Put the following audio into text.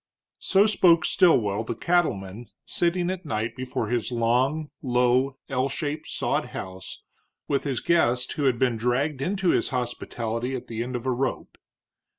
So spoke Stilwell, the cattleman, sitting at night before his long, low, L shaped sod house with his guest who had been dragged into his hospitality at the end of a rope.